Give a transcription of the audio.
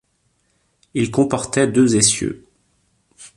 Il comportait deux essieux.